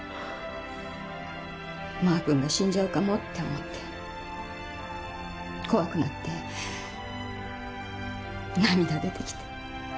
まー君が死んじゃうかもって思って怖くなって涙出てきて。